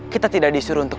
kita tidak disuruh untuk